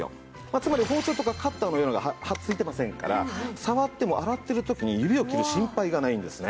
つまり包丁とかカッターのような刃付いてませんから触っても洗っている時に指を切る心配がないんですね。